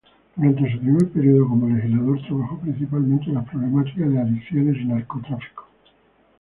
Durante su primer período como legislador trabajó principalmente las problemáticas de adicciones y narcotráfico.